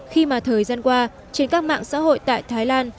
khi mà thời gian qua trên các mạng xã hội tại thái lan